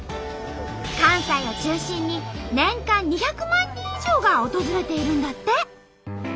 関西を中心に年間２００万人以上が訪れているんだって。